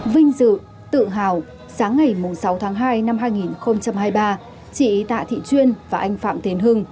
vinh dự tự hào sáng ngày sáu tháng hai năm hai nghìn hai mươi ba chị tạ thị chuyên và anh phạm tiến hưng